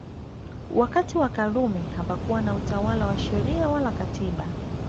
Wakati wa Karume hapakuwa na utawala wa Sheria wala Katiba